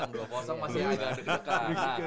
belum menang dua masih agak dekat